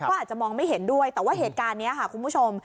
ก็อาจจะมองไม่เห็นด้วยแต่ว่าเหตุการณ์นี้ค่ะคุณผู้ชม